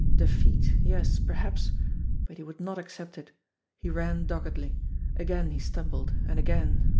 Defeat, yes, perhaps but he would not accept it. He ran doggedly. Again he stumbled, and again.